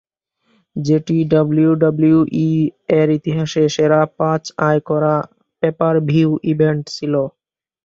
যেটি ডাব্লিউডাব্লিউই এর ইতিহাসে সেরা পাঁচ আয় করা পে-পার-ভিউ ইভেন্ট ছিল।